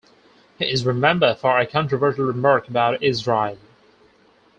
He is remembered for a controversial remark about Israel.